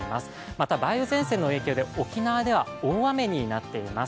また梅雨前線の影響で沖縄では大雨になっています。